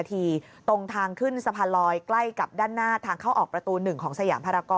ตรงทางขึ้นสะพารอย